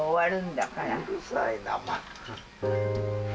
うるさいな全く。